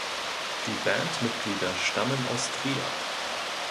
Die Bandmitglieder stammen aus Trier.